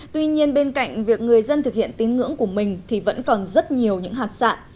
tuy nhiên bên cạnh việc người dân thực hiện tín ngưỡng của mình thì vẫn còn rất nhiều những hạt sạn